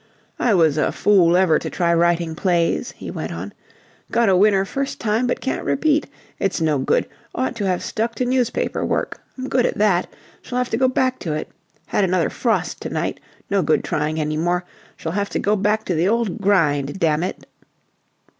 "I was a fool ever to try writing plays," he went on. "Got a winner first time, but can't repeat. It's no good. Ought to have stuck to newspaper work. I'm good at that. Shall have to go back to it. Had another frost to night. No good trying any more. Shall have to go back to the old grind, damn it."